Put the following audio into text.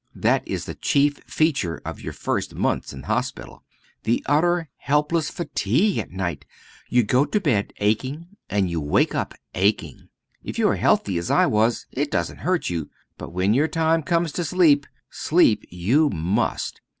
That is the chief feature of your first months in hospital the utter helpless fatigue at night. You go to bed aching and you wake up aching. If you are healthy as I was, it doesn't hurt you; but, when your time comes to sleep, sleep you must.